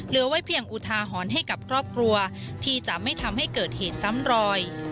เหลือไว้เพียงอุทาหรณ์ให้กับครอบครัวที่จะไม่ทำให้เกิดเหตุซ้ำรอย